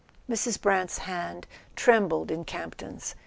Mrs. Brant's hand trembled in Campton's.